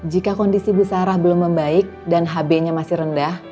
jika kondisi busarah belum membaik dan hb nya masih rendah